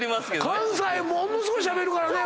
関西ものすごいしゃべるからね。